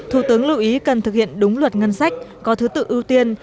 thủ tướng lưu ý cần thực hiện đúng luật ngân sách có thứ tự ưu tiên